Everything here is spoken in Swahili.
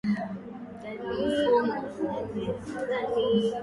Mfumo wa upumuaji wa ngombe hushambuliwa na ugonjwa wa ndigana kali